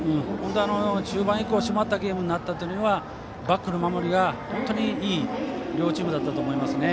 中盤以降締まったゲームになったのはバックの守りが本当にいい両チームだったと思いますね。